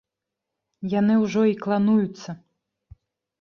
Яны ўжо і клануюцца.